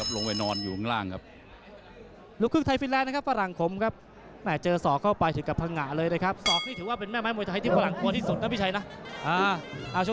อาวุธรายการมาครับน้ำเงินหมดยกที่หนึ่ง